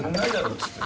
っつって。